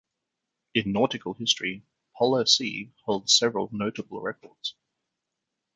In nautical history, "Polar Sea" holds several notable records.